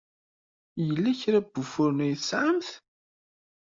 Yella kra n wufuren ay tesɛamt?